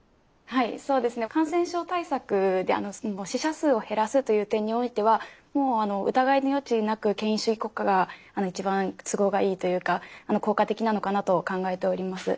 はいそうですね。感染症対策で死者数を減らすという点においてはもうあの疑いの余地なく権威主義国家がいちばん都合がいいというか効果的なのかなと考えております。